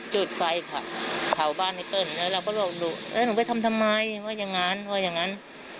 จุดไฟค่ะข่าวบ้านให้เติ้ลแล้วเราก็ลองดูเอ๊ะหนูไปทำทำไมว่ายังงั้นว่ายังงั้น